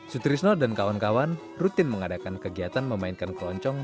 sutrisno dan kawan kawan rutin mengadakan kegiatan memainkan keroncong